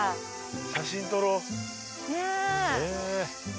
写真撮ろう。